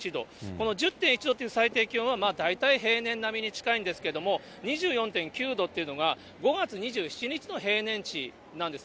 この１０．１度という最低気温は大体平年並みに近いんですけれども、２４．９度っていうのが、５月２７日の平年値なんです。